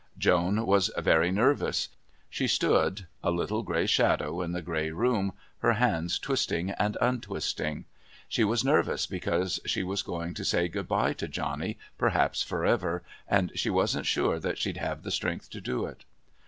Joan was very nervous. She stood, a little grey shadow in the grey room, her hands twisting and untwisting. She was nervous because she was going to say good bye to Johnny, perhaps for ever, and she wasn't sure that she'd have the strength to do it.